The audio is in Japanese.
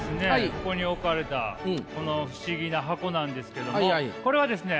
ここに置かれたこの不思議な箱なんですけどもこれはですね